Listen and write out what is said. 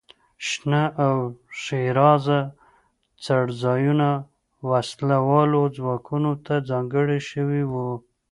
شنه او ښېرازه څړځایونه وسله والو ځواکونو ته ځانګړي شوي وو.